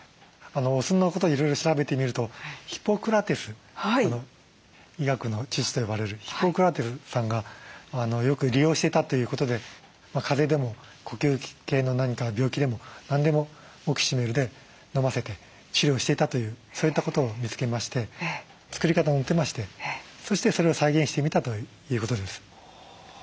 お酢のこといろいろ調べてみるとヒポクラテス医学の父と呼ばれるヒポクラテスさんがよく利用してたということで風邪でも呼吸器系の何か病気でも何でもオキシメルで飲ませて治療していたというそういったことを見つけまして作り方載ってましてそしてそれを再現してみたということです。